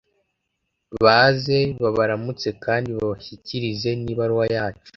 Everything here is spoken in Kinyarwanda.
baze babaramutse kandi babashyikirize n'ibaruwa yacu